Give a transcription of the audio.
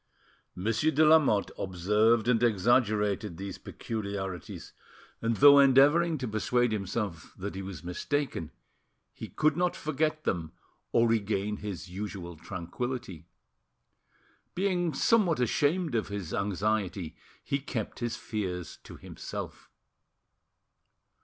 Monsieur de Lamotte observed and exaggerated these peculiarities, and though endeavouring to persuade himself that he was mistaken, he could not forget them, or regain his usual tranquility. Being somewhat ashamed of his anxiety, he kept his fears to himself.